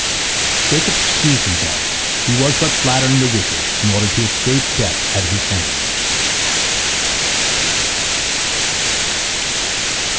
Jacob excused himself; he was but flattering the wicked in order to escape death at his hands.